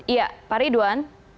iya pak ridwan